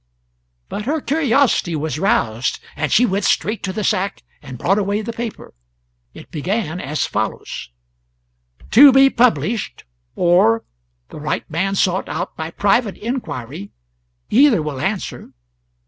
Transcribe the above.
But her curiosity was roused, and she went straight to the sack and brought away the paper. It began as follows: "TO BE PUBLISHED, or, the right man sought out by private inquiry either will answer.